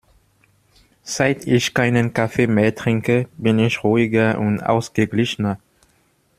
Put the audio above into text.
Seit ich keinen Kaffee mehr trinke, bin ich ruhiger und ausgeglichener.